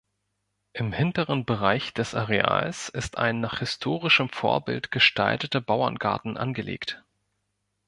Im hinteren Bereich des Areals ist ein nach historischem Vorbild gestalteter Bauerngarten angelegt.